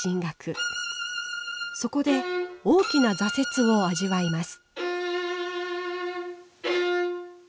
そこで大きな挫折を味わいます。